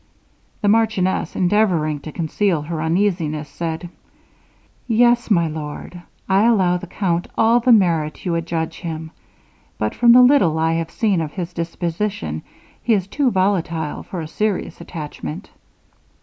The marchioness, endeavouring to conceal her uneasiness, said, 'Yes, my lord, I allow the count all the merit you adjudge him, but from the little I have seen of his disposition, he is too volatile for a serious attachment.'